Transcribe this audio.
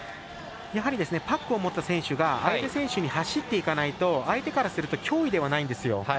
やはりパックを持った選手が相手選手に走っていかないと相手からすると脅威ではないんですよ。